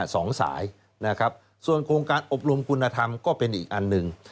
สองสายนะครับส่วนโครงการอบรมคุณธรรมก็เป็นอีกอันหนึ่ง